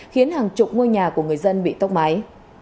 khiến hàng chục ngôi nhà của người dân bị tốc mái